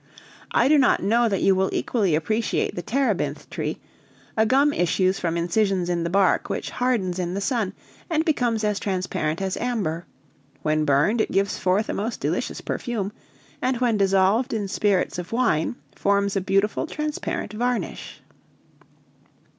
I do not know that you will equally appreciate the terebinth tree. A gum issues from incisions in the bark which hardens in the sun, and becomes as transparent as amber; when burned it gives forth a most delicious perfume, and when dissolved in spirits of wine, forms a beautiful transparent varnish."